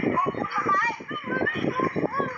โอ้โหเป็นเกิดขึ้นกันก่อนค่ะ